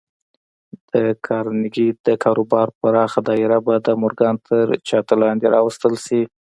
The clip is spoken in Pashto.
د کارنګي د کاروبار پراخه دايره به د مورګان تر چت لاندې راوستل شي.